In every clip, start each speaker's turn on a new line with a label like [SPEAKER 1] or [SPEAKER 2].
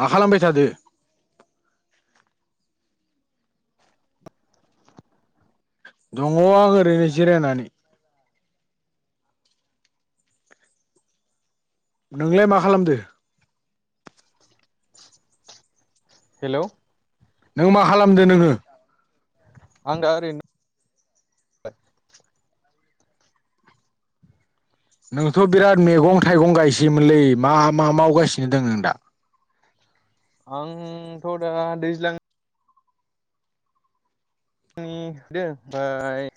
[SPEAKER 1] मा खालामबाय थादो दङ आं ओरैनो जिरायनानै नोंलाय मा खालामदो
[SPEAKER 2] हेलौ
[SPEAKER 1] नों मा खालामदो नोङो
[SPEAKER 2] आं आरो
[SPEAKER 1] नोंथ' बिराद मेगं थाइगं गायसैमोनलै मा मा मावगासिनो दं नों दा
[SPEAKER 2] आं थ दा दैज्लां आंनि दो ओमफ्राय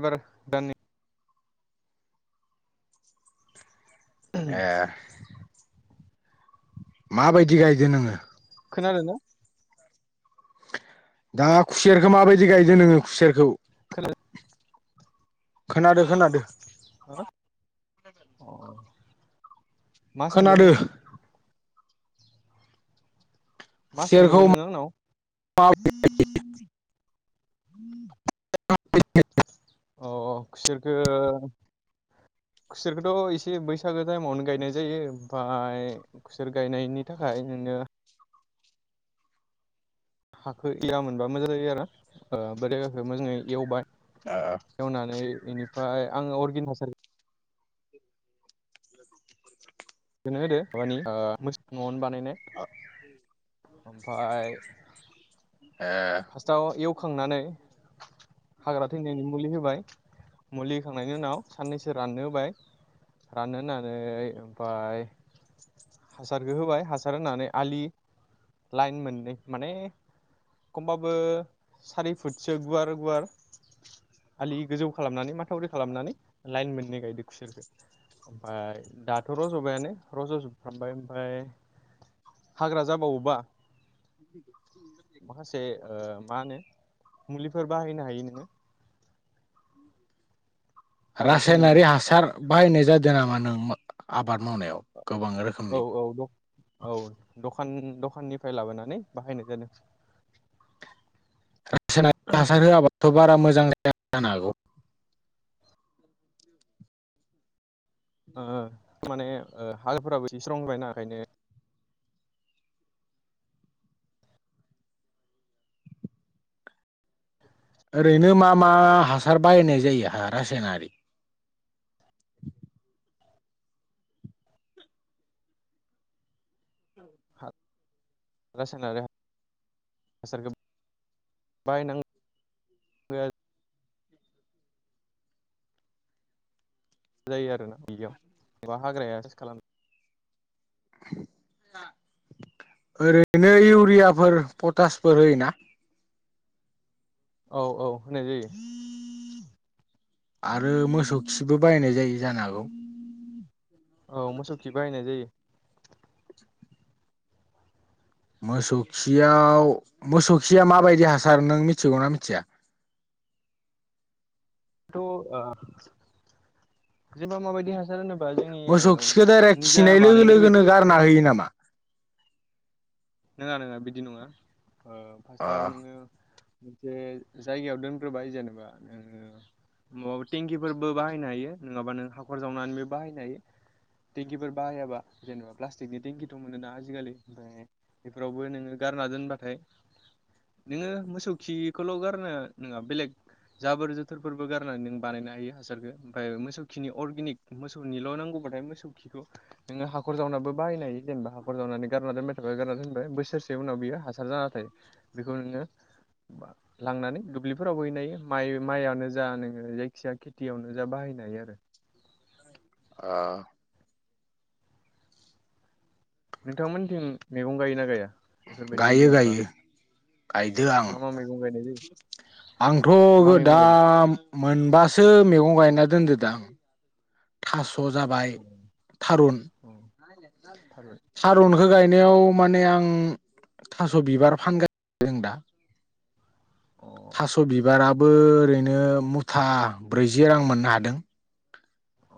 [SPEAKER 2] एबार दानि
[SPEAKER 1] ए माबायदि गायदो नोङो
[SPEAKER 2] खोनादों ना
[SPEAKER 1] दा खुसेरखौ माबायदि गायदों नोङो खुसेरखौ
[SPEAKER 2] खोल
[SPEAKER 1] खोनादों
[SPEAKER 2] ओ औ मा
[SPEAKER 1] खोनादो
[SPEAKER 2] सोंदोंमोन नों मा
[SPEAKER 1] खुसेरखौ
[SPEAKER 2] सोंदोंमोन नोंङो आंनाव
[SPEAKER 1] मा
[SPEAKER 2] अ खुसेरखो खुसेरखौथ' एसे बैसागो टाइमावनो गायनाय जायो ओमफाय खुसेर गायनायनि थाखाय नोङो हाखौ एयामोनबा मोजां जायो आरो ओ [unintelligible] मोजाङै एवबाय
[SPEAKER 1] आ
[SPEAKER 2] एवनानै बेनिफ्राय आङो अर्गेन हासार बेनो होदो माबानि ओ मोस न'आवनो बानायनाय ओमफाय
[SPEAKER 1] ए
[SPEAKER 2] फार्स्टआव एवखांनानै हाग्रा थैनायनि मुलि होबाय मुलि होखांनायनि उनाव साननैसो राननो होबाय राननो होननानै ओमफाय हासारखौ होबाय हासार होनानै आलि लाइन मोननै माने एखमबाबो सारि फुटसो गुवार गुवार आलि गोजौ खालामनानै माथावरि खालामनानै लाइन मोननै गायदो खुसेरखो ओमफाय दाथ' रज'बायानो रज'जोबफ्रामबाय ओमफाय हाग्रा जाबावोबा [inaudible] माखासे थे ओ मा होनो मुलिफोर बाहायनो हायो नोङो हाग्रा थैनायनि
[SPEAKER 1] रासायनारि हासार बाहायनाय जादों नामा नों आबाद मावनायाव गोबां रोखोम
[SPEAKER 2] औ औ द औ दखान दखाननिफ्राय लाबोनानै बाहायनाय जादों
[SPEAKER 1] [unintelligible] हासार होवाबाथ' बारा मोजां [unintelligible] जानो हागौ
[SPEAKER 2] ओ माने ओ [unintelligible] ना ओखायनो
[SPEAKER 1] ओरैनो मा मा हासार बायनाय जायो [unintelligible] रासायनारि
[SPEAKER 2] रासायनारि [unintelligible] हासारखो बाहायनां [unintelligible] जायो आरो ना [unintelligible] हाग्राया [unintelligible] खालाम
[SPEAKER 1] [inaudible] ओरैनो इउरियाफोर पटासफोर होयोना
[SPEAKER 2] औ औ होनाय जायो [inaudible]
[SPEAKER 1] आरो मोसौ खिबो बायनाय जायो जानो हागौ
[SPEAKER 2] औ मोसौ खि बाहायनाय जायो
[SPEAKER 1] मोसौ खियाव मोसौ खिया माबायदि हासार नों मिथिगौना मिथिया?
[SPEAKER 2] थ ओ [unintelligible] जेनबा माबायदि हासार [unintelligible] जोंनि
[SPEAKER 1] मोसौ
[SPEAKER 2] ओ
[SPEAKER 1] खिखौ डाइरेक्ट
[SPEAKER 2] निजा
[SPEAKER 1] खिनाय लोगो
[SPEAKER 2] बानायनाय
[SPEAKER 1] लोगोनो
[SPEAKER 2] बायदि [unintelligible]
[SPEAKER 1] [unintelligible] नामा?
[SPEAKER 2] नोङा नोङा बिदि नङा ओ
[SPEAKER 1] अ
[SPEAKER 2] फार्स्टाव नोङो मोनसे जायगायाव दोनग्रोबाय जेनेबा नोङो [unintelligible] टेंकिफोरबो बाहायनो हायो नोङाबा नों हाखर जावनानैबो बाहायनो हायो। टेंकिफोर बाहायाबा जेनेबा प्लास्टिकनि टेंकिथ' मोनोना आजिखालि ओमफ्राय बेफोरावबो नोङो गारना दोनबाथाय नोङो मोसौ खिखौल' गारनो नङा बेलेग जाबोर जोथोरफोरबो गारनानै नों बानायनो हायो हासारखो ओमफाय मोसौखिनि अर्गेनिक मोसौनिल' नांगौबाथाय मोसौ खिखौ नोङो हाखर जावनाबो बाहायनो हायो जेनेबा हाखर जावनानै गारना दोनबाय [unintelligible] गारना दोनबाय बोसोरसे उनाव बियो हासार जाना थायो बेखौ नोङो लांनानै दुब्लिफोरावबो हैनो हायो माइ माइयानो जा नोङो जायखिजाया खेथियावनो जा बाहायनो हायो आरो
[SPEAKER 1] आ
[SPEAKER 2] नोंथां मोननिथिं मेगं गायोना गाया? बेफोरबायदि
[SPEAKER 1] गायो
[SPEAKER 2] जेनेबा
[SPEAKER 1] गायो गायदो आं
[SPEAKER 2] मा मा मैगं गायनाय जायो
[SPEAKER 1] आंथ'
[SPEAKER 2] मा मैगं गायदों
[SPEAKER 1] गोदाम मोनबासो मेगं गायना दोनदो दां थास' जाबाय
[SPEAKER 2] अ
[SPEAKER 1] थारुन
[SPEAKER 2] अ थारुन
[SPEAKER 1] [inaudible] थारुनखो गायनायाव माने आं थास' बिबार [unintelligible] दा
[SPEAKER 2] अ'
[SPEAKER 1] थास' बिबाराबो ओरैनो मुथा ब्रैजि रां मोननो हादों।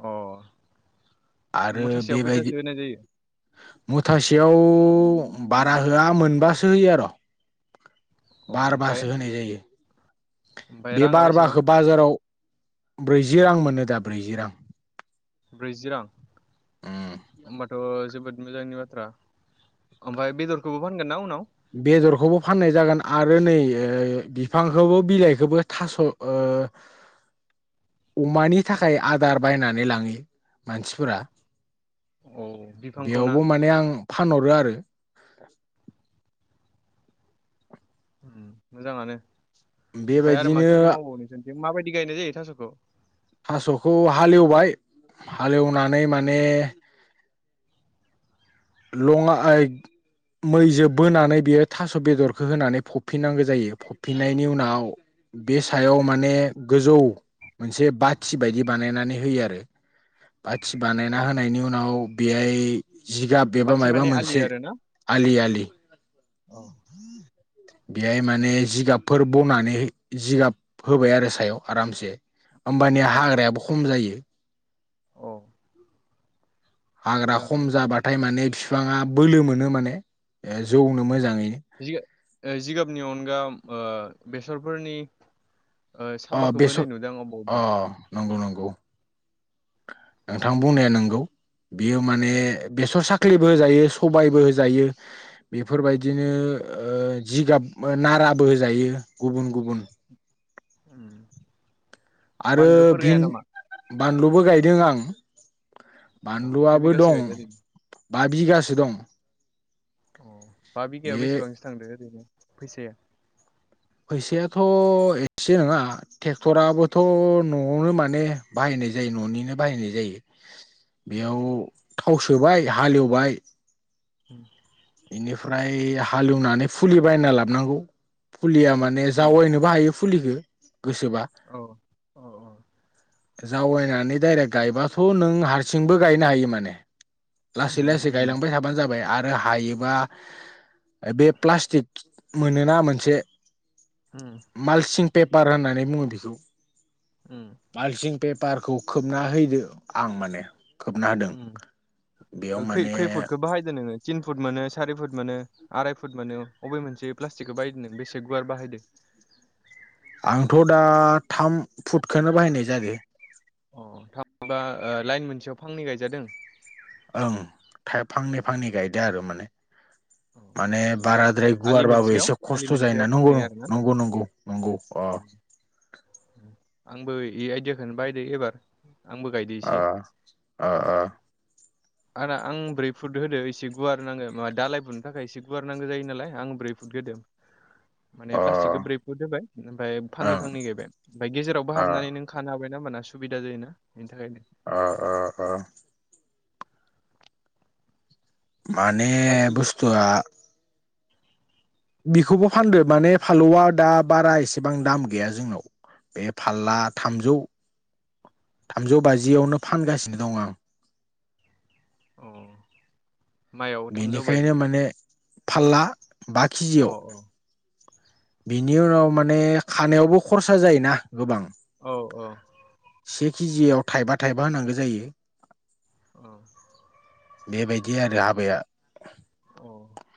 [SPEAKER 2] अ'
[SPEAKER 1] आरो
[SPEAKER 2] मुथासेयाव
[SPEAKER 1] बेबायदि
[SPEAKER 2] खैथासो होनाय जायो?
[SPEAKER 1] मुथासेयाव बारा होआ मोनबासो होयो आर'
[SPEAKER 2] अ
[SPEAKER 1] बारबासो
[SPEAKER 2] ओमफ्राय
[SPEAKER 1] होनाय जायो
[SPEAKER 2] ओमफ्राय
[SPEAKER 1] बे
[SPEAKER 2] राङा बेसेबां
[SPEAKER 1] बारबाखो बाजाराव ब्रैजि रां मोनो दा ब्रैजि रां
[SPEAKER 2] ब्रैजि रां
[SPEAKER 1] उम
[SPEAKER 2] ओमबाथ' जोबोद मोजांनि बाथ्रा ओमफाय बेदरखौबो फानगोन ना उनाव?
[SPEAKER 1] बेदरखौबो फाननाय जागोन आरो नै ओ बिफांखौबो बिलाइखोबो थास' ओ [inaudible] अमानि थाखाय आदार बायनानै लाङि मानसिफोरा
[SPEAKER 2] औ बिफांखौ ना
[SPEAKER 1] बेयावबो माने आं फानहरो आरो
[SPEAKER 2] ओम मोजाङानो ओमफाय आरो मा
[SPEAKER 1] बेबायदिनो
[SPEAKER 2] खेथि मावबावो नोंसोरनिथिं माबायदि गायनाय जायो थास'खौ
[SPEAKER 1] थास'खौ हालेवबाय हालेवनानै माने [unintelligible] मैजो बोनानै बियो थास' बेदरखो होनानै फबफिननांगो जायो। फिननायनि उनाव बे सायाव माने गोजौ मोनसे बाथि बायदि बानायनानै होयो आरो बाथि बानायना
[SPEAKER 2] अ
[SPEAKER 1] होनायनि उनाव बेहाय जिगाब बेबा
[SPEAKER 2] बाथि
[SPEAKER 1] मायबा
[SPEAKER 2] माने आलि
[SPEAKER 1] मोनसे आलि आलि
[SPEAKER 2] अ।
[SPEAKER 1] बेहाय माने जिगाबफोर बनानै जिगाब फोबाय आरो सायाव आरामसे होमबानिया हाग्रायाबो खम जायो।
[SPEAKER 2] अ।
[SPEAKER 1] हाग्रा खम जाबाथाय माने फिफाङा बोलो मोनो माने जौनो मोजाङै।
[SPEAKER 2] जि ओ जिगाबनि अनगा ओ बेसरफोरनि ओ
[SPEAKER 1] अ
[SPEAKER 2] साबबाखोबो
[SPEAKER 1] बेसर
[SPEAKER 2] होनाय नुदों आं
[SPEAKER 1] अ
[SPEAKER 2] अबावबा।
[SPEAKER 1] नंगौ नंगौ नोंथां बुंनाया नंगौ बियो माने
[SPEAKER 2] उम
[SPEAKER 1] बेसर साख्लिबो होजायो सबायबो होजायो बेफोरबायदिनो ओ जिगाब ओ नाराबो होजायो गुबुन गुबुन।
[SPEAKER 2] ओम।
[SPEAKER 1] आरो भिन बानलुबो गायदों आं।
[SPEAKER 2] अ खै
[SPEAKER 1] बानलुआबो
[SPEAKER 2] बिगासो
[SPEAKER 1] दं
[SPEAKER 2] गायदो ओरैनो
[SPEAKER 1] बा बिगासो दं।
[SPEAKER 2] अ बा बिगायाव
[SPEAKER 1] बे
[SPEAKER 2] बेसेबांसो थांदो ओरैनो फैसाया?
[SPEAKER 1] फैसायाथ' एसे नोंङा। ट्रेक्टराबोथ' न'आवनो माने बाहायनाय जायो न'निनो बाहायनाय जायो।
[SPEAKER 2] उम
[SPEAKER 1] बेयाव थाव सोबाय हालेवबाय।
[SPEAKER 2] उम
[SPEAKER 1] इनिफ्राय हालौवनानै फुलि बायना लाबोनांगौ फुलिया माने
[SPEAKER 2] उम
[SPEAKER 1] जावायनोबो हायो। फुलिखो गोसोबा।
[SPEAKER 2] औ। औ औ।
[SPEAKER 1] जावबायनानै दडाइरेक्ट गायबाथ' नों हारसिंबो गायनो हायो माने। लासै
[SPEAKER 2] उम
[SPEAKER 1] लासै
[SPEAKER 2] उम
[SPEAKER 1] गायलांबाय थाबानो जाबाय आरो हायोबा बे प्लास्टिक मोनोना मोनसे
[SPEAKER 2] उम।
[SPEAKER 1] मालसिं पेपार होननानै बुङो बिखौ।
[SPEAKER 2] ओम।
[SPEAKER 1] मालसिं पेपारखौ खोबना हैदो आं माने। खोबना होदों
[SPEAKER 2] उक्ष
[SPEAKER 1] बेयाव
[SPEAKER 2] ओ खै-खै
[SPEAKER 1] माने
[SPEAKER 2] खै फुदखौ बाहायदो नोङो? तिन फुट मोनो सारि फुट मोनो आराय फुट मोनो बबे मोनसे प्लास्टिकखौ बाहायदों बेसे गुवार बाहायदो?
[SPEAKER 1] आंथ' दा थाम फुटखनो बाहायनाय जादों।
[SPEAKER 2] अ थाब बा लाइन मोनसेयाव फांनै गायजादों।
[SPEAKER 1] ओं थाइ
[SPEAKER 2] औ
[SPEAKER 1] फांनै फांनै गायदो आरो माने। माने बाराद्राय
[SPEAKER 2] आलि
[SPEAKER 1] गुवारबाबो
[SPEAKER 2] मोनसेयाव
[SPEAKER 1] एसे
[SPEAKER 2] आलि
[SPEAKER 1] खस्थ' जायोना
[SPEAKER 2] मोनसेयाव
[SPEAKER 1] नंगौ
[SPEAKER 2] फांनै आरोना
[SPEAKER 1] नंगौ नंगौ। नंगौ अ।
[SPEAKER 2] आंबो आं आइदियाखोनो बायदो एबार आंबो गायदि
[SPEAKER 1] अ अ-अ।
[SPEAKER 2] आना आं ब्रै फुट होदो एसे गुवार नांगो माबा दाालाय बुनो थाखाय एसे गुवार नांगो जायो नालाय आं ब्रै फुट होदो।
[SPEAKER 1] [inaudible]
[SPEAKER 2] माने प्लास्टिकखौ
[SPEAKER 1] ओं
[SPEAKER 2] ब्रै फुट होबाय ओमफ्राय फांनै फांनै गायबाय। ओमफ्राय गेजेरावबो
[SPEAKER 1] अ
[SPEAKER 2] हाबनानै नों खानो हाबायना, होमबाना सुबिदा जायोना बेनि थाखाय।
[SPEAKER 1] औ- औ -औ। माने
[SPEAKER 2] बाखि
[SPEAKER 1] बुस्थुआ बिखौबो फानदो, माने फालौआ दा बारा एसेबां दाम गैया जोंनाव। बे फारला थामजौ -थामजौ बाजियावनो फानगासिनो दं आं।
[SPEAKER 2] अ माइआव थामजौ बाजि?
[SPEAKER 1] फाल्ला बा
[SPEAKER 2] अ
[SPEAKER 1] केजियाव।
[SPEAKER 2] अ
[SPEAKER 1] बिनि उनाव माने खानायावबो खरसा जायोना गोबां।
[SPEAKER 2] औ औ।
[SPEAKER 1] से केजियाव थाइबा थाइबा होनांगौ जायो।
[SPEAKER 2] औ।
[SPEAKER 1] बेबायदि आरो हाबाया।
[SPEAKER 2] औ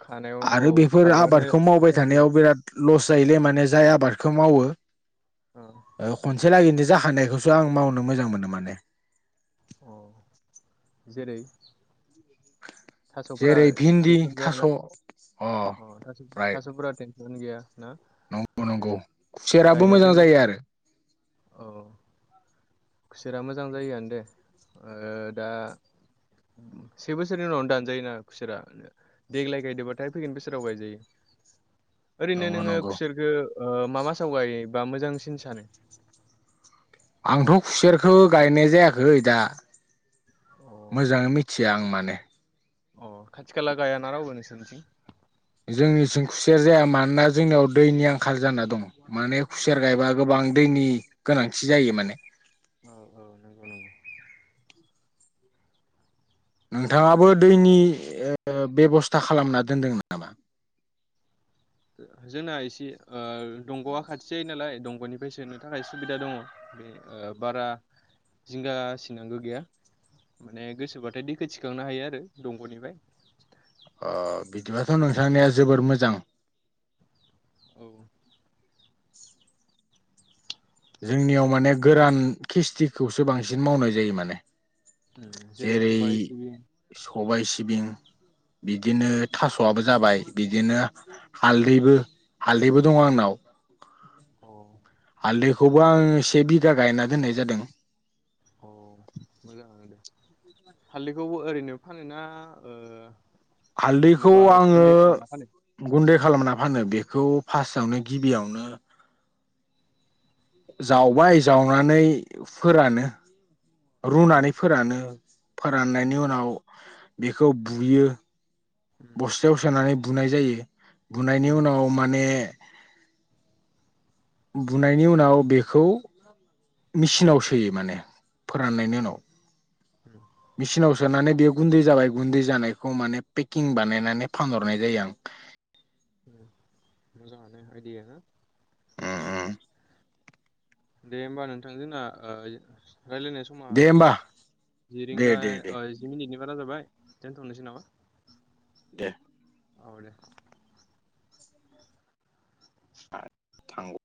[SPEAKER 2] खानायाव औ
[SPEAKER 1] आरो बेफोर
[SPEAKER 2] खाग्रानो
[SPEAKER 1] आबादखौ मावबाय
[SPEAKER 2] फैसा नांगोन
[SPEAKER 1] थानायाव बिराद लस जायोलै माने जाय आबादखौ मावो।
[SPEAKER 2] ओ।
[SPEAKER 1] ओ खनसे लागैनो जाखानायखौसो आं मावनो मोजां मोनो माने।
[SPEAKER 2] अ जेरै थास'फोरा
[SPEAKER 1] जेरै भिन्दि
[SPEAKER 2] टेनसन गैया
[SPEAKER 1] थास'
[SPEAKER 2] आरोना। अ था-
[SPEAKER 1] राइट
[SPEAKER 2] थास'फोरा टेनसन गैया। ना
[SPEAKER 1] नंगौ नंगौ खुसेराबो
[SPEAKER 2] गायना
[SPEAKER 1] मोजां
[SPEAKER 2] दोन
[SPEAKER 1] जायो आरो
[SPEAKER 2] औ खुसेरा मोजां जायोन दे ओ दा से बोसोरनि उनाव दान जायोना खुसेरा देग्लाय गायदोबाथाय फैगोन बोसोराव गायजायो। ओरैनो
[SPEAKER 1] नंगौ
[SPEAKER 2] नोङो
[SPEAKER 1] नंगौ
[SPEAKER 2] खुसेरखो ओ मा मासाव गायोबा मोजांसिन सानो?
[SPEAKER 1] आंथ' खुसेरखौ गायनाय जायाखै दा। मोजाङै मिथि मिथिया आं माने।
[SPEAKER 2] अ खाथि -खाला गायाना रावबो नोंसोरनिथिं?
[SPEAKER 1] जोंनिथिं खुसेर जाया। मानोना जोंनियाव दैनि आंखाल जाना दं। माने खुसेर गायबा गोबां दैनि गोनांथि जायो माने।
[SPEAKER 2] औ - औ नंगौ - नंगौ।
[SPEAKER 1] नोंथाङाबो दैनि ओ बेब'स्था खालामना दोनदों नामा?
[SPEAKER 2] जोंना एसे ओ दंग'आ खाथि जायो नालाय, दंग'निफ्राय सोनो थाखाय सुबिदा दङ। बे ओ बारा जिंगा सिनांगौ गैया। माने गोसोब्लाथाय दैखो थिखांनो हायो आरो दंग'निफ्राय।
[SPEAKER 1] अ बिदिब्लाथ' नोंथांनिआ जोबोर मोजां।
[SPEAKER 2] औ।
[SPEAKER 1] जोंनियाव माने गोरान खिस्थिखौसो बांसिन मावनाय जायो माने।
[SPEAKER 2] जेरै- सबाइ, सिबिं
[SPEAKER 1] सबाय, सिबिं बिदिनो थास'आबो जाबाय बिदिनो हालदैबो- हालदैबो दङ आंनाव।
[SPEAKER 2] औ।
[SPEAKER 1] हालदैखौबो आङो से बिघा गायना दोननाय जादों।
[SPEAKER 2] अ मोजां दे। हालदैखौबो ओरैनो फानोना ओ
[SPEAKER 1] हालदैखौ
[SPEAKER 2] माबा
[SPEAKER 1] आङो
[SPEAKER 2] गुन्दै खालामना फानो।
[SPEAKER 1] गुन्दै खालामना फानो। बेखौ फार्स्टआवनो गिबियावनो जावबाय जावनानै फोरानो।
[SPEAKER 2] उम
[SPEAKER 1] रुनानै फोरानो। फोराननायनि
[SPEAKER 2] उम
[SPEAKER 1] उनाव बेखौ बुयो।
[SPEAKER 2] उम
[SPEAKER 1] बस्थायाव सोनानै बुनाय जायो। बुनायनि
[SPEAKER 2] उम
[SPEAKER 1] उनाव माने बुनायनि उनाव बेखौ मेचिनाव सोयो माने। फोराननायनि
[SPEAKER 2] उम
[SPEAKER 1] उनाव।
[SPEAKER 2] उम
[SPEAKER 1] मिचिनाव सोनानै बेयो गुन्दै जाबाय। गुन्दै जानायखौ माने पेकिं बानायनानै फानहरनाय जायो आं।
[SPEAKER 2] ओं मोजाङानो आयदि हो।
[SPEAKER 1] ओ-ओ।
[SPEAKER 2] दे होमबा नोंथां ओ रायलायनोसो समा
[SPEAKER 1] दे होमबा
[SPEAKER 2] जि
[SPEAKER 1] दे
[SPEAKER 2] रिंगा
[SPEAKER 1] दे दे
[SPEAKER 2] जि मिनिटनि बारा जाबाय दोनथ'नोसै नामा।
[SPEAKER 1] दे।
[SPEAKER 2] औ दे।
[SPEAKER 1] था-थांगौ